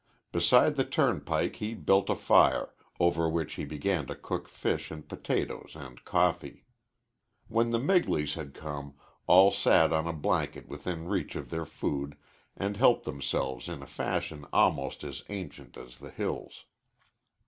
Beside the turnpike he built a fire, over which he began to cook fish and potatoes and coffee. When the Migleys had come, all sat on a blanket within reach of their food and helped themselves in a fashion almost as ancient as the hills.